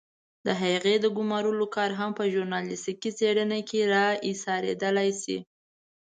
د هغې د ګمارلو کار هم په ژورنالستيکي څېړنه کې را اېسارېدلای شي.